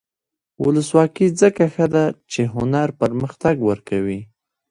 ولسواکي ځکه ښه ده چې هنر پرمختګ ورکوي.